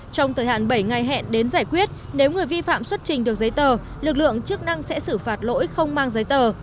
trong thời hạn bảy ngày hẹn đến giải quyết nếu người vi phạm xuất trình được giấy tờ lực lượng chức năng sẽ xử phạt lỗi không mang giấy tờ